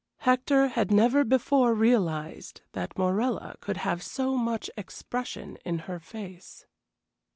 Hector had never before realized that Morella could have so much expression in her face.